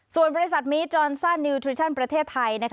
ส่วนบริษัทมีทจอลซั่นนิวทริชั่นประเทศไทย